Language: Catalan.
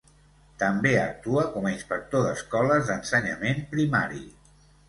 També actua com a inspector d’escoles d’ensenyament primari.